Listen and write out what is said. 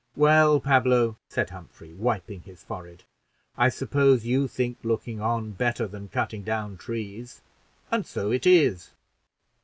"Well, Pablo," said Humphrey, wiping his forehead, "I suppose you think looking on better than cutting down trees; and so it is."